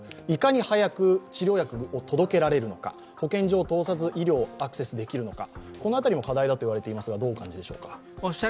いかに早く治療薬を届けられるのか保健所を通さず医療にアクセスできるのか、この辺りも課題だと言われていますが。